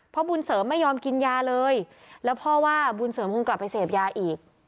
บุญเสริมไม่ยอมกินยาเลยแล้วพ่อว่าบุญเสริมคงกลับไปเสพยาอีก